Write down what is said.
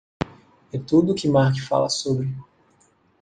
É tudo o que Mark fala sobre.